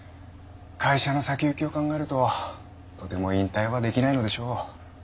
会社の先行きを考えるととても引退はできないのでしょう。